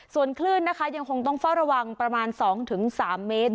ส่วนคลื่นนะคะยังคงต้องเฝ้าระวังประมาณ๒๓เมตร